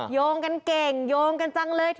โยงกันเก่งโยงกันจังเลย